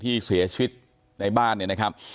ที่เวลาเสียชีวิตในบ้านนะครับ